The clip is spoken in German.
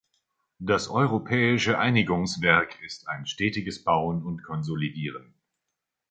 Das europäische Einigungswerk ist ein stetiges Bauen und Konsolidieren.